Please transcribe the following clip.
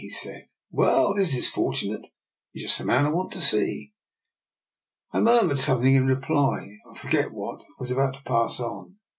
" he said: " well, this is fortunate! You are just the man I want to see." I murmured something in reply, I forget what, and was about to pass on.